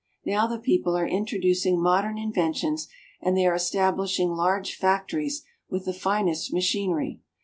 Now the people are intro ducing modern inventions, and they are establishing large factories with the finest machinery.